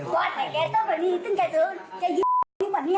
บอกไหนแค่เธอตอนนี้ต้องแค่เธอแค่ยิ้มแบบนี้กว่าเนี่ย